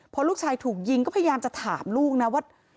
พอลูกชายถูกยิงก็พยายามจะถามลูกนะว่า